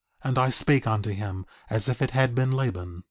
4:23 And I spake unto him as if it had been Laban.